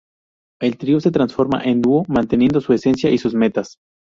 El trío se transforma en dúo, manteniendo su esencia y sus metas.